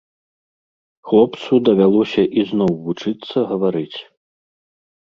Хлопцу давялося ізноў вучыцца гаварыць.